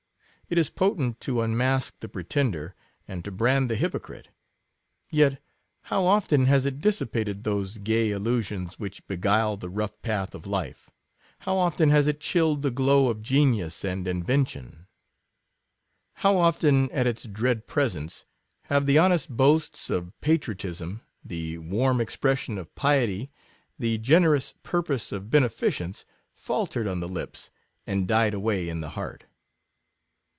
It is potent to unmask the pretender, and to brand the hypocrite; yet how often has it dissipated those gay illusions which beguile the rough path of life — how often has it chilled the glow of genius and invention — how often, at its dread presence, have the ho nest boasts, of patriotism, the warm expres sion of piety, the generous purpose of bene ficence, faltered on the lips, and died away in the heart."